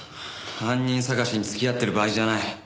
犯人捜しに付き合ってる場合じゃない。